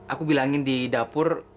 aku bilangin di dapur